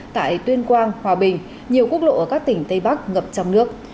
tại tuyên quang hòa bình nhiều quốc lộ ở các tỉnh tây bắc ngập trong nước